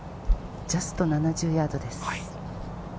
ジャスト７０ヤードです。